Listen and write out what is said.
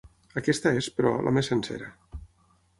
Aquesta és, però, la més sencera.